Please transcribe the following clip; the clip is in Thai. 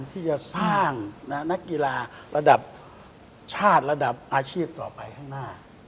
ที่จะสร้างนักกีฬาระดับชาติระดับอาชีพต่อไปข้างหน้า